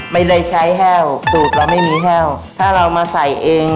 ไม่ได้ใช้แห้วสูตรเราไม่มีแห้วถ้าเรามาใส่เอง